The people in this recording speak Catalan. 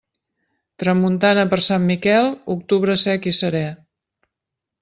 Tramuntana per Sant Miquel, octubre sec i seré.